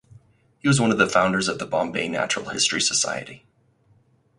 He was one of the founders of the Bombay Natural History Society.